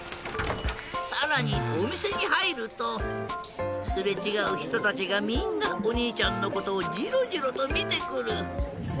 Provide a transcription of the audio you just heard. さらにおみせにはいるとすれちがうひとたちがみんなおにいちゃんのことをジロジロとみてくる。